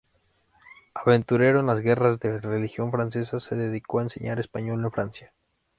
Aventurero en las guerras de religión francesas, se dedicó a enseñar español en Francia.